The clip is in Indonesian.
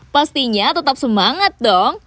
pastinya tetap semangat dong